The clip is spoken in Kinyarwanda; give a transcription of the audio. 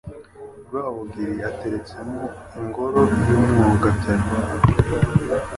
Rwabugili ateretsemo Ingoro y' Umwogabyano !